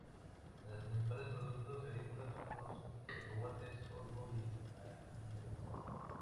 Las principales productos agrícolas son los cacahuetes, sorgo y mandioca.